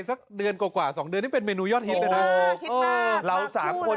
สักเดือนกว่ากว่าสองเดือนนี่เป็นเมนูยอดฮิตเลยนะเราสามคน